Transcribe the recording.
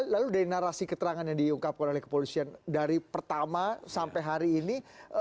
lalu dari narasi keterangan yang diungkapkan oleh kepolisian dari pertama sampai hari ini